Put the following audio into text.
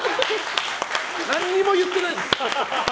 何にも言ってないです。